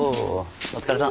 お疲れさん。